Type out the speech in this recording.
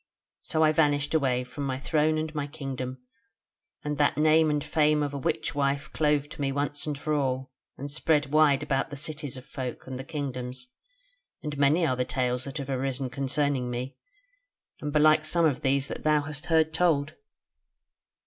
So I vanished away from my throne and my kingdom, and that name and fame of a witch wife clove to me once and for all, and spread wide about the cities of folk and the kingdoms, and many are the tales that have arisen concerning me, and belike some of these thou hast heard told."